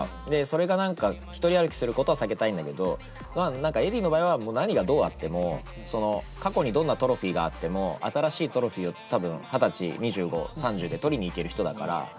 でそれが何か独り歩きすることは避けたいんだけど何かｅｄｈｉｉｉの場合は何がどうあってもその過去にどんなトロフィーがあっても新しいトロフィーを多分二十歳２５３０で取りに行ける人だから。